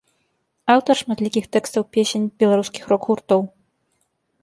Аўтар шматлікіх тэкстаў песень беларускіх рок-гуртоў.